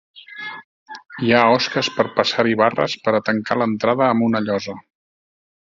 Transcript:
Hi ha osques per passar-hi barres per a tancar l'entrada amb una llosa.